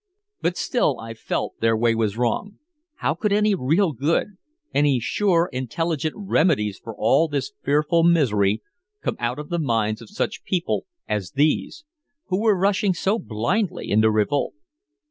But still I felt their way was wrong. How could any real good, any sure intelligent remedies for all this fearful misery, come out of the minds of such people as these, who were rushing so blindly into revolt?